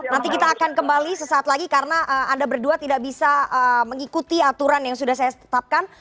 nanti kita akan kembali sesaat lagi karena anda berdua tidak bisa mengikuti aturan yang sudah saya tetapkan